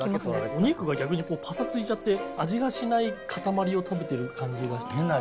お肉が逆にぱさついちゃって、味がしない塊を食べてる感じがして。